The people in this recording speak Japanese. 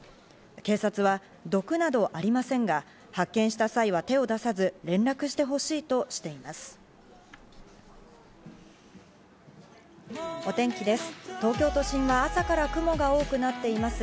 警察は、毒などありませんが発見した際は手を出さず連絡して欲しいとしています。